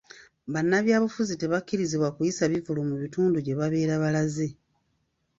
Banabyabufuzi tebakkirizibwa kuyisa bivvulu mu bitundu gye babeera balaze.